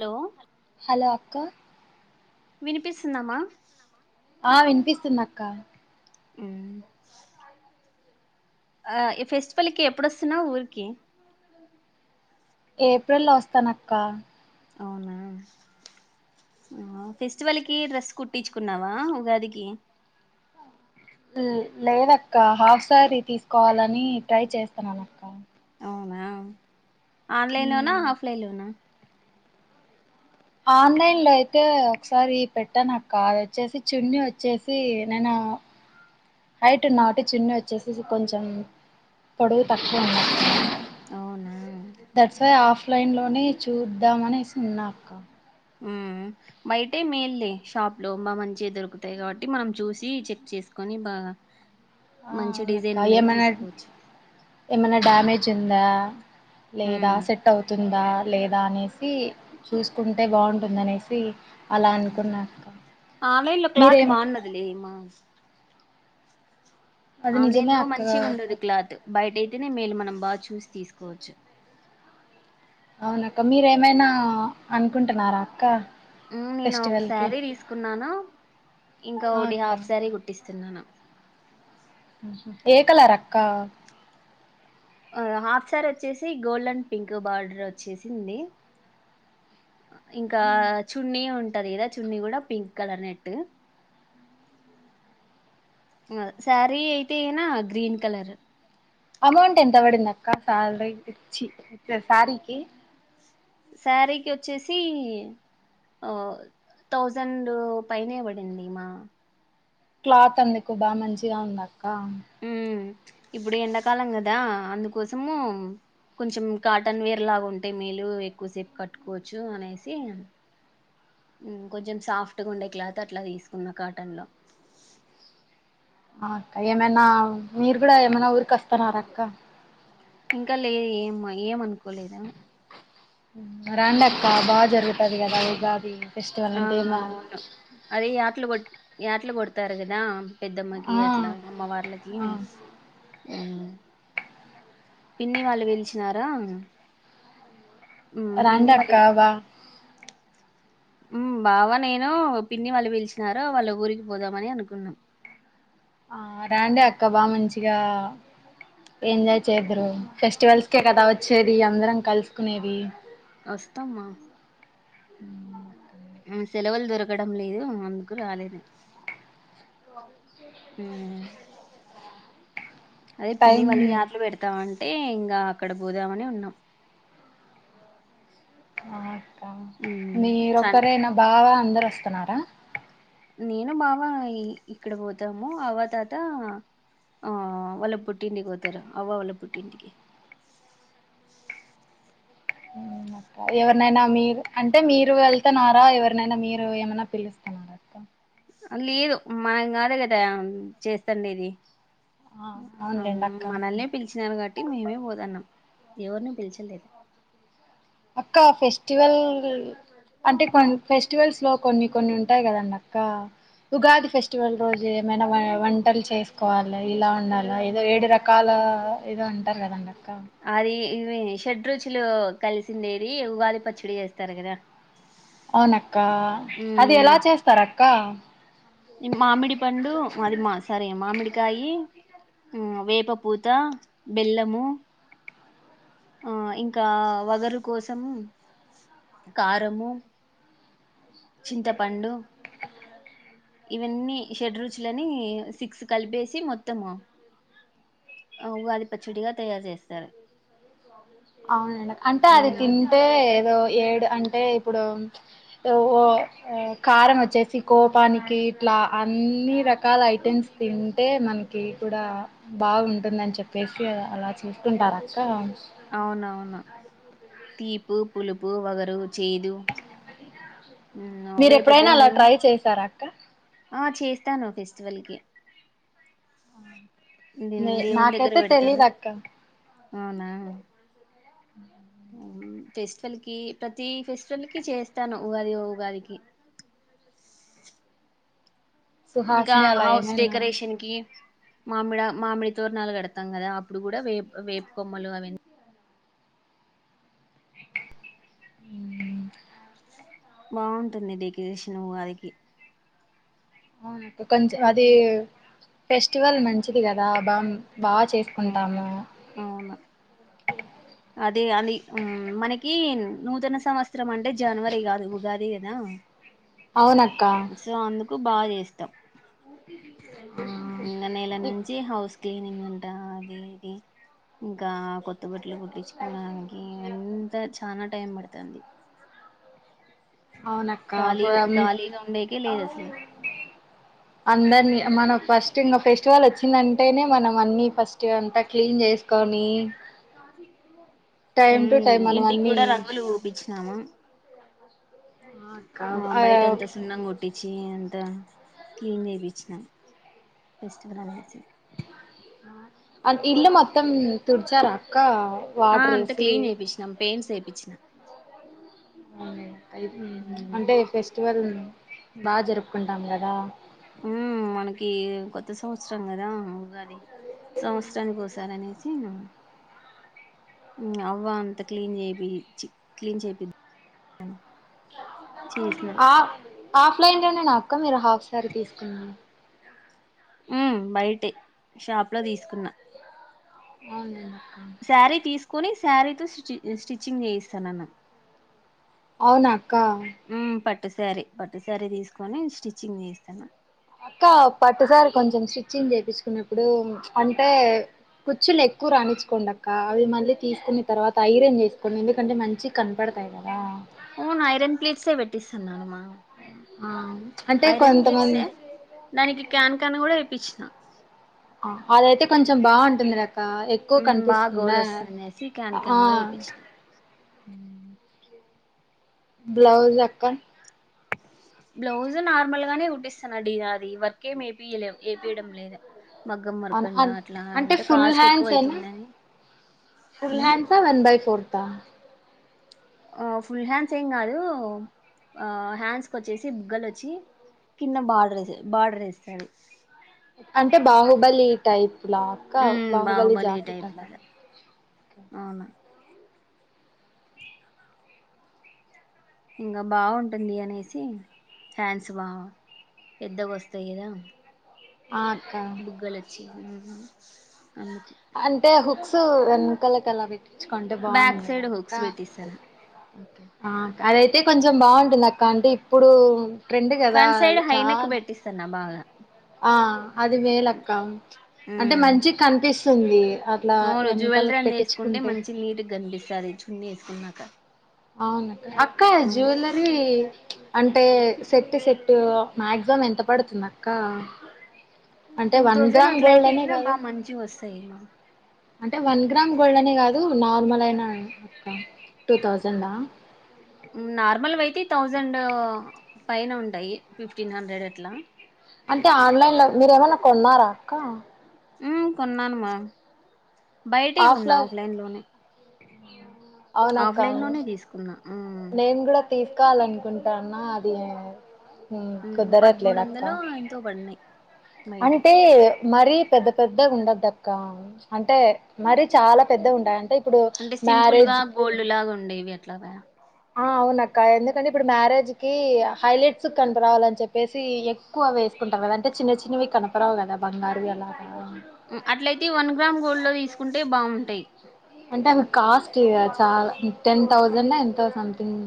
Hello hello అక్కా వినిపిస్తుందా మా ఆ వినిపిస్తుంది అక్కా హ్మ్ ఆ ఈ ఫెస్టివల్ కి ఎప్పుడొస్తున్నావ్ ఊరికి ఏప్రిల్లో వొస్తానక్క అవునా ఫెస్టివల్ కి డ్రెస్ కుట్టిచ్చుకున్నావా ఉగాదికి ల్ లేదక్క హాఫ్ సారీ తీసుకోవాలని ట్రై చేస్తున్నాను అక్క అవునా ఆన్లైన్ లోనా ఆఫ్లైన్ లోనా ఆన్లైన్ లో అయితే ఒకసారి పెట్టానక్కా అది ఒచ్చేసి చున్నీ వచ్చేసి నేన హైట్ ఉన్నా వాటి చున్నీ వచ్చేసేసి కొంచెం పొడుగు తక్కువ [inaudible] అవునా ధట్స్ వై ఆఫ్ లైన్ లోనే చూద్దాం అనేసి ఉన్నాక్క ఆమ్మ్ ఉమ్ బయటే మేళ్ళే షాప్ లో మా మంచి దొరుకుతాయి కాబట్టి మనం చూసి చెక్ చేసుకొని బాగ్ ఆ, మంచి డిజైన్ ఉన్నవి తీసుకోచ్చు ఏమనా డ్యామేజ్ ఉందా లేదా మ్మ్ సెట్ అవుతు ఉందా లేదా అనేసి చూసుకుంటే బావుంటుంది అనేసి ఆలైన్లో క్లాత్ మీరేం బాన్నదిలేమా అది ఆలైన్ నిజమే లో అక్క మంచిగా ఉండదు క్లాత్ బయటయి అనే మేల్ మనం బాగా చూసి తీసుకోవచ్చు అవున అక్క మీరేమైనా అనుకుంటున్నారా అక్క నేను ఒక ఫెస్టివల్ కి సారీ తీసుకున్నాను ఇంకా ఆ ఒకటి అక్క హాఫ్ సారి కుట్టిస్తున్నాను ఏ కలర్ అక్క హాఫ్ సార్ వచ్చేసి గోల్డ్ అండ్ పింక్ బార్డర్ వచ్చేసింది ఇంకా చున్నీ ఉంటా ది గదా చున్నీ కూడా పింక్ కలర్ నెట్టు శారీ అయితే గిన గ్రీన్ కలర్ అమౌంట్ ఎంత వాదిదక్క స్టాలరేట్ చి శారీకి శారీకి వచ్చేసి ఆ థౌజండ్ పైనేపాడిందిమ క్లాత్ అందుకు బా మంచిగా ఉందఅక్క మ్మ్ ఇప్పుడు ఎండకాలం కదా అందుకోసము కొంచెం కాటన్ వేర్ లాగా ఉంటే మేలు ఎక్కువసేపు కట్టుకోవచ్చు అనేసి కొంచెం సాఫ్ట్ ఉండే క్లాత్ అట్లా తీసుకున్న కాటన్ లో ఆ అక్క ఏమైనా మీరు కూడా ఏమైనా ఊరికి వస్తున్నారా అక్క ఇంకా లే ఏం అనుకోలేదు రండి అక్క బాగా జరుగుతది కదా ఉగాది ఫెస్టివల్ ఆ అంటే మా అవును అదే యాట్ల కొట్ యాట్ల కోడోతారు కదా పెద్దమ్మకి ఆ అట్లా అమ్మవార్లకి ఆ హు పిన్ని వాళ్ళు పిలిచినారా ఉమ్ రండ పిన్ని అక్క వాళ్ళు వ ఉమ్ బావా నేను పిన్ని వాళ్ళు పిలిచినారు వాళ్ళ ఊరికి పోదామని అనుకున్నాం ఆ రండి అక్క బా మంచిగా ఎంజాయ్ చేద్దురు ఫెస్టివల్స్ కే కదా వచ్చేది అందరం కలుసుకునేది వొస్తమా హ్మ్ హ్మ్ సెలవులు దొరకడం లేదు అందుకు రాలేదు అదే పిన్ని టైం వాళ్ళు యాట్లు పెడుతాఅని అంటే ఇంకా అక్కడ పోదామని ఉన్నాం హ అక్క ఉమ్ సన్ మీరోకరేనా బావ అందరూ వస్తున్నారా నేను బావ ఇక్కడ పోతాము అవ్వ తాత ఆ వల్ల పుట్టింటికి పోతారు అవ్వ వల్ల పుట్టింటికి ఉమ్ ఎవరినైనా మీరు అంటే మీరు వెళ్తున్నారా ఎవరినైనా మీరు ఏమనా పిలుస్తున్నారా అక్క లేదు మనం గాదు కదా చేస్తాండేది ఆ ఆ అవునులేండి అక్క మనల్నే పిలిచినారు గట్టి ఇంకా మేమే పోతనం ఎవరిని పిలిచలేదు అక్క ఫెస్టివల్ అంటే కొ ఫెస్టివల్స్ లో కొన్ని కొన్ని ఉంటాయి కదండీ అక్క ఉగాది ఫెస్టివల్ రోజు ఏమైనా వంటలు చేసుకోవాలి ఇలా ఉండాల ఏదో ఏడు రకాల ఇదో అంటారు కాదండి అది ఇవి షెడ్రుచులు కలిసిందేది ఉగాది పచ్చడీ చేస్తారు కదా అవునక్క అది ఉమ్ ఎలా చేస్తార్ అక్క మామిడి పండు మాది మా సోరి మామిడికాయి వేప పూత, బెల్లము ఆ ఇంకా వగరు కోసం కారము చింతపండు ఇవన్నీ షెడ్రూచ్లని సిక్స్ కలిపేసి మొత్తము ఆ ఉగాది పచ్చడిగా తయారు చేస్తారు అవునండి అంటే అది ఉమ్, తింటే ఏదో ఏడు అంటే ఇప్పుడు ఓ కారం వచ్చేసి కోపానికి ఇట్లా అన్ని రకాల ఐటెమ్స్ తింటే మనకి కూడా బాగుంటుందని చెప్పేసి అలా చేస్తుంటారు అక్క అవున అవును తీపు, పులుపు, వగరు చేదు మీరు వేపు ఎప్పుడైనా అలా పూనుండి ట్రై చేశారా అక్క ఆ చేస్తాను ఫెస్టివల్కి దీన్ నే దేవుని దగ్గర నాకైతే పెడతాను తెలీదు అక్క అవునా మ్ ఫెస్టివల్ కి ప్రతి ఫెస్టివల్ కి చేస్తాను ఉగాది ఉగాదికి ఇంకా సుహాస్ని అలా హౌస్ ఏమైనా డెకరేషన్ కి మామిడి మామిడి తోరణాలు కడతాం కదా అప్పుడు కూడా వేపు వేపుకొమ్మలు అవి మ్ బాగుంటుంది డెకరేషన్ వారికి అవును కొంచెం అది ఫెస్టివల్ మంచిది కదా బామ్ ఆ అవును అదే అది మనకి నూతన సంవత్సరం అంటే జనవరి కాదు ఉగాది కదా అవున అక్క కు బాగా చేస్తాం ఇంకా నెల ఇ నుంచి హౌస్ క్లీనింగ్ అంట అది ఇది ఇంకా కొ త్త బట్టలు కుట్టించుకోడానికి అంతా చనా టైం పడుతుంది అవునక్క ఖాళీగా ఖాళీగా ఉండేకే లేదు అసలు అందరినీ మన ఫస్ట్ ఇంకా ఫెస్టివల్ వచ్చిందంటేనే మనం అన్ని ఫస్ట్ అంతా క్లీన్ చేసుకొని టైమ్ టు టైం ఉమ్ మనం ఇంటికి అన్ని కూడా రంగులు ఓపించినమ ఆ బయట అంత సున్నాంగోటీంచి తన్ క్లీన్ చేయిపీచినం ఫెస్టివల్ అనేసి అ ఇల్ మొత్తం తుడిచార అక్కా ఆ అంత క్లీన్ చేపిచ్చినం పెయింట్స్ ఏపించిన అవు అక్క అంటే ఫెస్టివల్ బాగా జరుపుకుంటాము కదా ఉమ్ మనకి కొత్త సంవత్సరం కదా ఉగాది సంవత్సరానికి ఓసార అనేసి అవ్వా అంత క్లీన్ చేపిచీ క్లీన్ చేపిద్ ఆ ఆఫ్ లైన్ లోనేను అక్క మీరు హాఫ్ శారీ తీసుకుండి ఉమ్ బయటే షాప్ లో తీసుకున్నా అవున శారీ తీసుకొని శారీతో స్టి స్టిచ్చింగ్ చేయిస్తాన అన్న అవునా అక్క పట్టు శారీ పట్టు శారీ తీసుకొని స్టిచ్చింగ్ చేస్తాను అక్క పట్టుసారి కొంచం స్టిచ్చింగ్ చేయించుకున్నప్పుడు అంటే కుచులు ఎక్కువ రాణించుకోండ్ అక్క అవి మళ్ళీ తీసుకున్న తర్వాత ఐరన్ చేసుకోండి ఎందుకంటే మంచి కనపడ థాయ్ ఆ వును ఐరన్ ప్లేట్స్ పెట్టిస్తూన్నానుమా ఆ అంటే ఐరన్ కొంతమంది ప్లీట్సే దనికి క్యాన్ కన్ కూడా ఎ పిచిన ఆ అదైతే కొంచెం బాగుంటుంది ర క ఎక్కువ ఉమ్ బాగా కనిపిస్తుందా గోలు వస్తుందనేసి క్యాన్ ఆ క్యాన్ కూడా వేపిచ్చిన బ్లౌజ్ అక్క బ్లౌజ్ నార్మల్ గానే కుట్టిస్తానడి అది వర్క్ ఏమి ఏపీయలే ఏపీయడం లేదు మగ్గం వర్క్ అంత అట్లా అంటే ఫుల్ కాస్ట్ హ్యాండ్స్ ఎక్కువ ఏనా అవుతుందని ఫుల్ హ్యాండ్ ఆ వన్ బై ఫోర్ త ఆ ఫుల్ హ్యాండ్స్ ఏం కాదు ఆ హ్యాండ్స్ కోచ్చేసి బుగ్గలోచ్చి కింద బర్డర్ రెసి బర్డర్ రెస్తరు అంటే బాహుబలి టైప్ లా అక్క ఉమ్ బాహుబలి జాకిట్ టైప్ అంట లాగా అవును ఇంగ బాగుంటుంది అనేసి హ్యాండ్స్ బా పెద్దగా వస్తాయి కదా ఆ అక్క బుగ్గలోచ్చి అంటే హుక్స్ వెనకలకెలా పెట్ పేటిచ్చుకుంటే బాగుండు బ్యాక్ సైడ్ కదక్క హుక్స్ పెట్టిస్తాను ఆ అదైతే కొంచెం బాగుంటుంది అక్క అంటే ఇప్పుడు ర్రెండు కదా ఫ్రంట్ సైడ్ చ హైనెక్ పెట్టిస్తాను బాగా ఆ అది మేలక్క అంటే ఉమ్ మంచి కనిపిస్తుంది అట్లా అవును జ్యువెలరీ వెనకాలకు అనీ వేసుకుంటే పెట్టించుకుంటే మంచి నీట్గ కనిపిస్తది చున్నీ వేసుకున్నాక అవును అక్కా జ్వేలేరి అంటే సెట్టు సెట్టు మాక్సిమం ఎంత పడుతుంది అక్క అంటే టూ వన్ థౌసండ్ గ్రామ్ అట్ల గోల్డ్ అయితే అనే గీనా కాదు బా మంచి వస్తాయి మ అంటే వన్ గ్రామ్ గోల్డ్ అనే కాదు నార్మల్ అయినా అక్క టూ తౌజండ్ ఆ నార్మల్ వయితే థౌజండ్ పైన ఉంటాయి ఫిఫ్టీన్ హండ్రెడ్ అట్లా అంటే ఆన్లైన్ లో మీర్ ఏమనా కొన్నారా అక్క హ్మ్ కొన్నాను మ బయిటి కొన్నా ఆఫ్లైన్ లోనే అవునక్క ఆఫ్లైన్ లోనే తీసుకున్నా హ్మ్ నేను గుడా తీసుకోవాలనుకుంటాన్నా అది హ్మ్ పదమూడు కుదరట్లేదు అక్క వందలు ఎంతో పడినాయి బయటే అంటే మరి పెద్ద పెద్ పెదే ఉండద అక్క అంటే మరి చాలా పెద్ద ఉంటాయి అంటే ఇప్పుడు అంటే సింపుల్ గా మ్యారేజ్ గోల్డ్ లాగ ఉండేవి అట్లన ఆ అవునక్క ఎందుకంటే ఇప్పుడు మ్యారేజ్ కి హైలైట్స్ కనిపరావాలని చెప్పేసి ఎక్కువ అవే తీసుకుంటారు అంటే చిన్న చిన్నవి కనపరావు కదా బంగారువి అలా కా అట్లయితే వన్ గ్రామ్ గోల్డ్ లో తీసుకుంటే బాగుంటాయి అంటే అవి కాస్ట్ య చాలా టెన్ థౌసండ్ ఎంతో సంథింగ్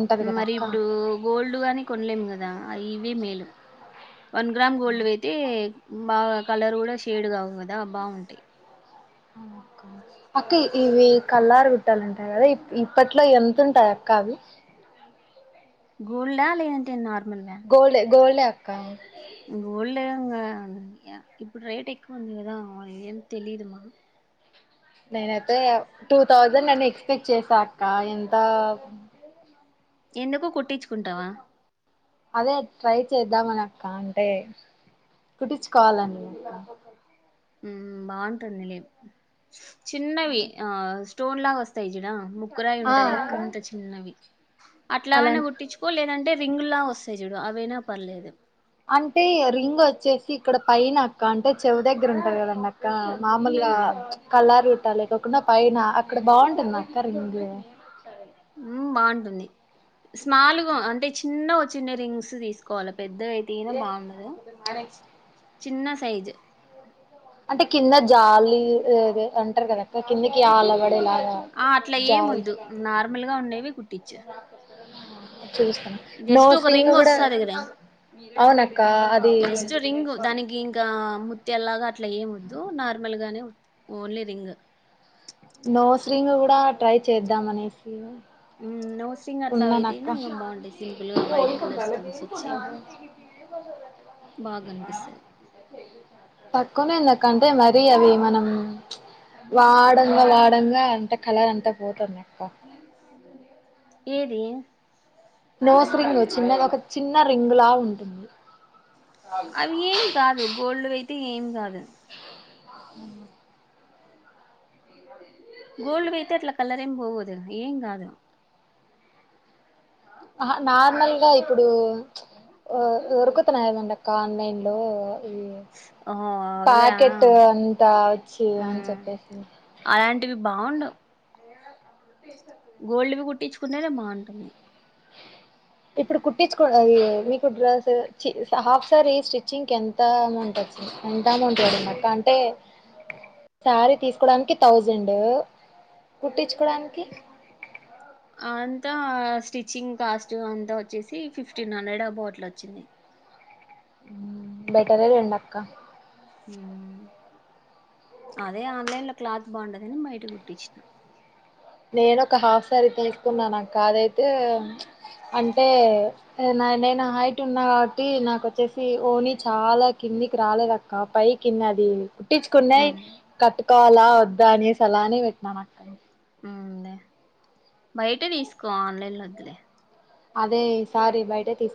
ఉంటది కదా మరి అక్క. ఇప్పుడు గోల్డ్ గాని కొనలేము కదా ఇవే మేలు వన్ గ్రామ్ గోల్డ్ వైయితే బాగా కలర్ కూడా షేడ్ కావు కదా బాగుంటాయి అక్క ఇవి కల్లారు గుట్టాలంటాయి కదా ఇప్పట్లో ఎంతుంటాయి అక్క అవి గోల్డా లేదంటే నార్మల్వా గోల్డ్ గోల్డ్ ఆ ఇప్పుడు రేట్ ఎక్కువ ఉంది కదా ఏం తెలిదు నేనైతే టూ థౌసండ్ అని ఎక్స్పెక్ట్ చేసా అక్క ఎంత ఎందుకు కుట్టిచుకుంటావా అదే ట్రై చేద్దామని అనక్క అంటే కుట్టిచుకోవాలండి ఇంకా బాగుంటుందిలే చిన్నవి ఆ స్టోన్ లాగా వస్తాయి ముక్కురాయి ఆ ఉంటదిదా అక్క అంత చిన్నవి అలా అట్లావైనా గుట్టించుకో లేదంటే రింగుల్లా వస్తాయి చూడు అవైనా పర్లేదు అంటే రింగ్ వొచ్చేసి ఇక్కడ పైన అక్క అంటే చెవు దగ్గర ఉంటది కదా అండి అక్క మాములుగా మ్మ్, మ్మ్. కలరు పర్లే లేకోకుండా పైన అక్కడ బాగుంటుంది కర్ గింది ఉమ్ బాగుంటుంది స్మాల్గా అంటే చిన్నగా వొచిన్నడే రింగ్స్ తీసుకోవాలి పెద్దగ అయితేనా బాగుండదు చిన్న సైజు అంటే కింద జాలి అంటారు కదా అక్క కిందికి ఆల పడేలా ఆ అట్లా ఏమ్ వొద్దు నార్మల్ గా ఉండేవి కుట్టిచ్చు చూస్తాను జస్ట్ నోస్ ఒక రింగ్ కూడా వొస్తాది గాధ అవునక్క అది జస్ట్ రింగ్ దానికి ఇంకా త్యాల్ లాగా అట్లా ఎం వొద్దు నార్మల్ గానే వొద్దు ఓన్లీ రింగు నోస్ రింగ్ గూడ ట్రై చేద్దాం అనేసి మ్, నోస్ రింగ్ అట్లా ఉన్నానా అక్క అయితేనా ఇంకా బాగుంటాయి సింపుల్ గా వైట్ కలర్ స్టోన్స్ వచ్చి బాగా కనిపిస్తది తక్కువనే ఉందక్క అంటే మరి అవి మనం వాడంగా వాడంగా అంటే కలర్ అంతా పోతుందక్కా ఏది నోస్ రింగు చిన్నద ఒక చిన్న రింగ్ లా ఉంటుంది అవి ఏం కాదు గోల్డ్ వి అయితే ఏం కాదు గోల్డ్ వియితే అట్లా కలరేం పోవు దా ఏం కాదు ఆహా నార్మల్గా ఇప్పుడు ప్చ్ ఓ దొరుకుతున్నాయి అండి అక్క ఆన్లైన్ లో ఓహో అవా పాకెట్ అంతా వచ్చి అని చెప్పేసి అలాంటివి బావుండవ్ పే గోల్డ్ వి కుట్టించుకునే బాగాటుంది ఇప్పుడు కుట్టిచుకో మీకు డ్రస్ చి స హాఫ్ సారి స్టిచ్చింగ్ ఎంత అమౌంట్ ఎంత అమౌంట్ పడింది అక్క అంటే సారీ తీసుకోడానికి థౌజండ్ కుట్టించుకోవడానికి అంతా స్టిచ్చింగ్ కాస్ట్ అంతా వచ్చేసి ఫిఫ్టీన్ హండ్రెడ్ అబోవ్ అట్లా వొచ్చింది బెటర్ ఏలెండి అక్క ఉమ్ అదే ఆన్లైన్ లో క్లాత్ బాగుండదని బయట కుట్టిచ్చిన నేను ఒక హాఫ్ సారి తీసుకున్నాను అక్క ఆదైతే అంటే నా నేను హైట్ ఉన్నా కాబట్టి నాకొచ్చేసి వోణి చాలా కింద నీకు రాలేదక్క పై కిన్నది ట్టించుకున్నాయ్ ఉమ్ కట్టుకోవాలా వద్దా అనేసి ఆలానే పేట్నాను అక్కడ ఉ అదే బయట తీసుకో ఆన్లైన్ లో వొద్దులే అదే సారీ బయటె తీస్